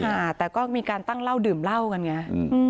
ค่ะแต่ก็มีการตั้งเล่าดื่มเล่ากันไง